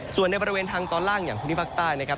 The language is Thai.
ส่วนในบริเวณทางตอนล่างอย่างพื้นที่ภาคใต้นะครับ